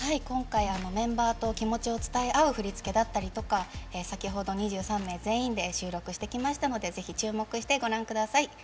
今回、メンバーと気持ちを伝え合う振り付けだったりとか先ほど２３名全員で収録してきましたのでぜひ、注目してご覧ください。